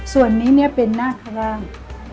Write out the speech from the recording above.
ส่วนนี้เนี่ยเป็นหน้าขวาง